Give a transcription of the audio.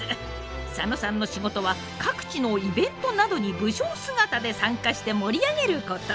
佐野さんの仕事は各地のイベントなどに武将姿で参加して盛り上げること。